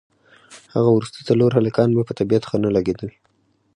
هغه وروستي څلور هلکان مې په طبیعت ښه نه لګېدل.